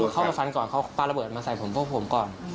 เข้ามาฟันก่อนเขาปลาระเบิดมาใส่ผมพวกผมก่อน